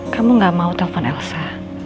kamu gak mau telpon elsa